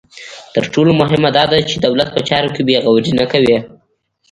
تر ټولو مهمه دا ده چې دولت په چارو کې بې غوري نه کوي.